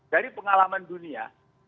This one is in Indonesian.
dari pengalaman dunia